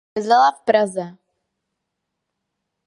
Bydlela v Praze.